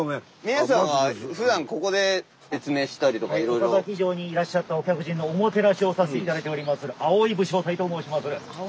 岡崎城にいらっしゃったお客人のおもてなしをさせて頂いておりまする「葵」武将隊と申しまする。